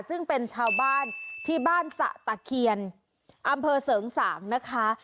ซึ่งเป็นชาวบ้านที่บ้านสะตะเคียนอำเภอเสริงสางนะคะ